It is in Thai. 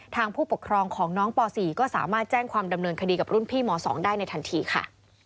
ผู้ปกครองของน้องป๔ก็สามารถแจ้งความดำเนินคดีกับรุ่นพี่ม๒ได้ในทันทีค่ะ